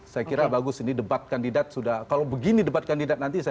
saya kira bagus ini debat kandidat sudah kalau begini debat kandidat nanti saya